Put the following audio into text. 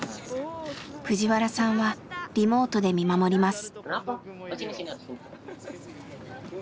プジワラさんはリモートで見守ります。